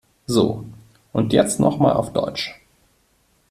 So und jetzt noch mal auf Deutsch.